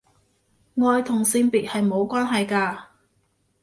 愛同性別係無關係㗎